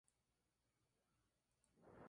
Situada en la Plaza de los Luceros.